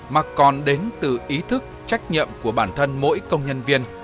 mà còn đến từ ý thức trách nhiệm của bản thân mỗi công nhân viên